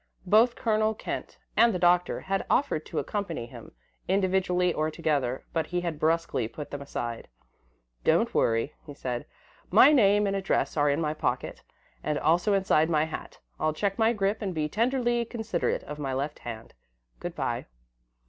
Both Colonel Kent and the Doctor had offered to accompany him, individually or together, but he had brusquely put them aside. "Don't worry," he said. "My name and address are in my pocket and also inside my hat. I'll check my grip and be tenderly considerate of my left hand. Good bye."